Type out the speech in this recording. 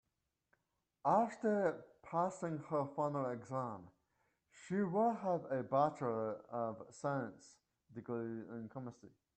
After passing her final exam she will have a bachelor of science degree in chemistry.